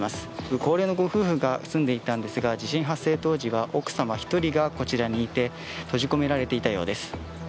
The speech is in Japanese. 高齢のご夫婦が住んでいたんですが、地震発生当時は奥様１人がこちらにいて閉じ込められていたようです。